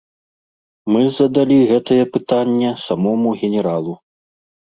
Мы задалі гэтае пытанне самому генералу.